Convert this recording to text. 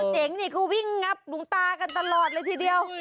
เจ๋งนี่ก็วิ่งงับหลวงตากันตลอดเลยทีเดียว